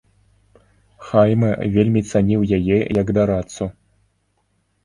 Хаймэ вельмі цаніў яе як дарадцу.